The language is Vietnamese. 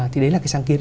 thì đấy là cái sáng kiến